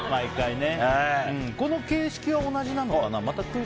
この形式は同じなのかな？